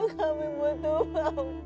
kami butuh bapak